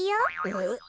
えっ？